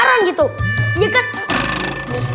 karena saya tuh penasaran gitu